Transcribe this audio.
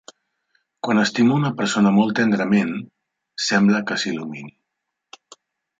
Quan estimo una persona molt tendrament, sembla que s'il·lumini.